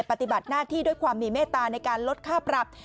ปฏิบัติหน้าที่ด้วยความมีเมตตาในการลดค่าปรับ